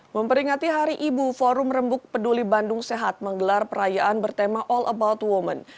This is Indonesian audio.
memperingati hari ibu forum rembuk peduli bandung sehat menggelar perayaan bertema all about women